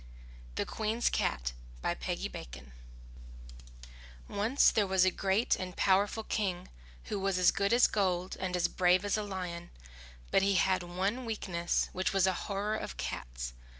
THE QUEEN'S CAT Once there was a great and powerful King who was as good as gold and as brave as a lion, but he had one weakness, which was a horror of cats.